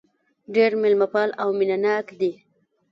ډېر مېلمه پال او مينه ناک دي.